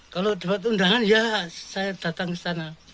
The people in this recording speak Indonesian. kalau dapat undangan ya saya datang ke sana